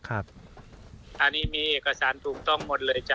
โอนี่มีข้อมูลเลยจ๊ะ